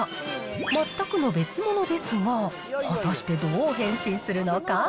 全くの別物ですが、果たして、どう変身するのか。